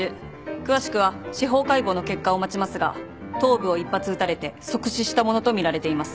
詳しくは司法解剖の結果を待ちますが頭部を１発撃たれて即死したものとみられています。